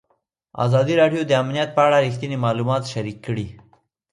ازادي راډیو د امنیت په اړه رښتیني معلومات شریک کړي.